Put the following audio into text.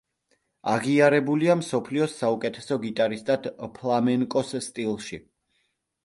აღიარებულია მსოფლიოს საუკეთესო გიტარისტად ფლამენკოს სტილში.